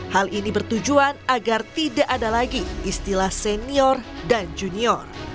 hal ini bertujuan agar tidak ada lagi istilah senior dan junior